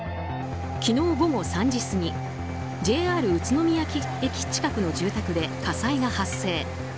昨日午後３時過ぎＪＲ宇都宮駅近くの住宅で火災が発生。